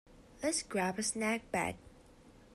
Let’s grab a snack bag.